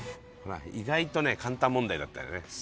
意外とね簡単問題だったよね。